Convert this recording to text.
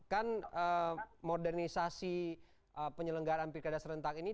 kan modernisasi penyelenggaraan pilkada serentak ini